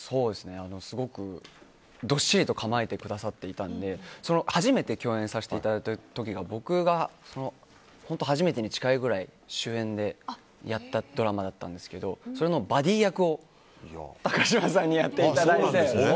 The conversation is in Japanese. すごく、どっしりと構えてくださっていたので初めて共演させていただいた時が僕が本当に初めてに近いくらい主演のドラマだったんですけどそれのバディー役を高嶋さんにやっていただいて。